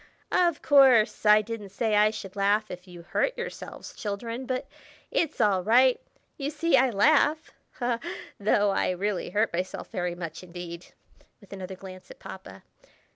"Of course! I didn't say I should laugh if you hurt yourselves, children, but it's all right. You see I laugh, though I really hurt myself very much indeed" (with another glance at Papa)!